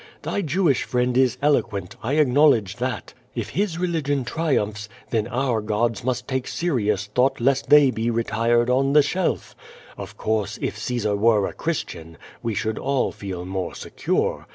Thy Jewish friend is eloijuent, I acknowledge that. If his religion triumphs, th(*n our gcnls must take serious thought lest they Iw retired 011 the shelf. Of course, if ( aesar were a diristian, we should all feel more secure.